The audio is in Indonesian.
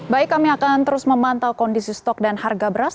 baik kami akan terus memantau kondisi stok dan harga beras